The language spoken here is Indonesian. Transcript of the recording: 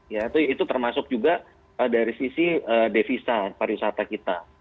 ya itu termasuk juga dari sisi devisa pariwisata kita